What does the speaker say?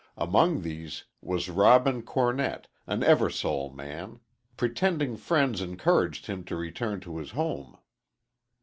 Among these was Robin Cornett, an Eversole man. Pretending friends encouraged him to return to his home.